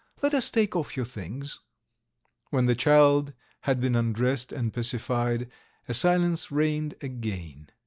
... Let us take off your things!" When the child had been undressed and pacified a silence reigned again.